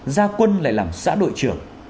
gia quân lại làm xã đội trưởng